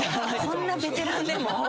こんなベテランでも？